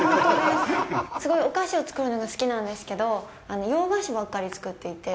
すごいお菓子を作るのが好きなんですけど洋菓子ばっかり作っていて。